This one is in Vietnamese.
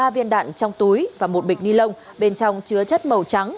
một mươi ba viên đạn trong túi và một bịch ni lông bên trong chứa chất màu trắng